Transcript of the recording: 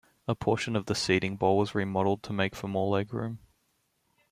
A portion of the seating bowl was remodeled to make for more legroom.